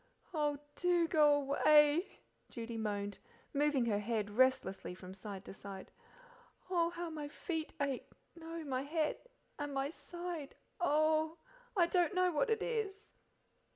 "Oh, DO go away,": Judy moaned, moving her head restlessly from side to side. "Oh, how my feet ache! no my head, and my side oh! I don't know what it is!"